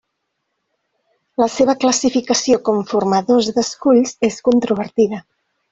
La seva classificació com formadors d'esculls és controvertida.